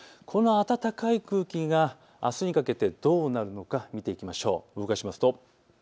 この暖かい空気があすにかけてどうなるのか見ていきましょう。